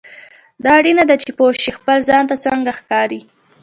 دا اړینه ده چې پوه شې خپل ځان ته څنګه ښکارې.